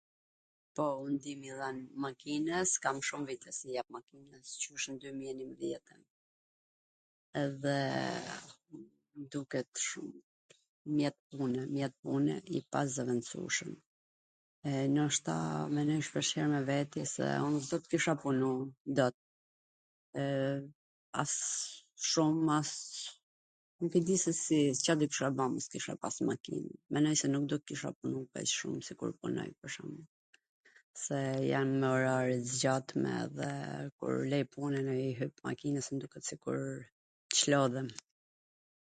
Po, un di me i dhan makinws, kam shum vite qw i jap makinws, qysh nw dymij e njwmbwdhjetwn, edhe m duket shum mjet pune, mjet pune i pazwvendsushwm. Noshta menoj shpesh me vete se un s do kisha punu dot, as shum as ... nuk e di se si, Ca do kisha ba pa pas makinwn, menoj se nuk do kisha punu kaq shum sikur punoj pwr shwmbull, se jan me orare t zgjatme dhe kur lej punwn e i jap makinws m duket sikurw Clodhem,